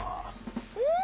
うん。